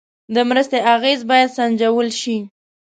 د مرستې اغېز باید سنجول شي.